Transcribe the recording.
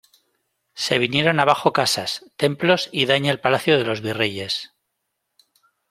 Se vinieron abajo casas, templos y daña el Palacio de los Virreyes.